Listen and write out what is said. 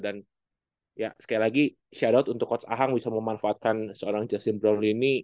dan sekali lagi shoutout untuk coach ahang bisa memanfaatkan seorang justin brownlee ini